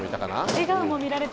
笑顔も見られて。